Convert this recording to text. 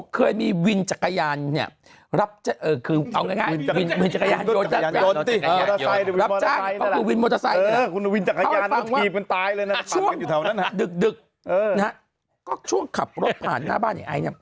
เคยมีวินจักรยานรับจ้างก็คือช่วงขับรถผ่านหน้าบ้านไอ้ไอ้